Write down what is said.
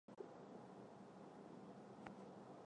拉特纳普勒区是斯里兰卡萨伯勒格穆沃省的一个区。